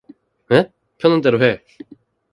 편한 대로 해.